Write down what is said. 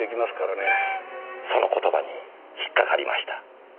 その言葉に引っかかりました。